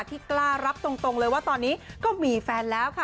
ที่กล้ารับตรงเลยว่าตอนนี้ก็มีแฟนแล้วค่ะ